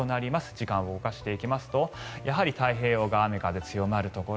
時間を動かしていきますとやはり太平洋側雨、風強まるところ。